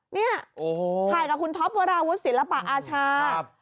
เนี่ยถ่ายกับคุณท็อปวราวุฒิศิลปะอาชา